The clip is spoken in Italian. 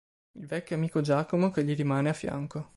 Il vecchio amico Giacomo, che gli rimane a fianco.